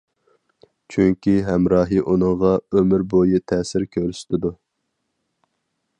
چۈنكى ھەمراھى ئۇنىڭغا ئۆمۈر بويى تەسىر كۆرسىتىدۇ.